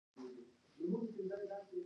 آیا کینه مرض دی؟